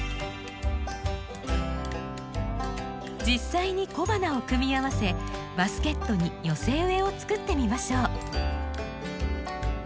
実際に小花を組み合わせバスケットに寄せ植えを作ってみましょう。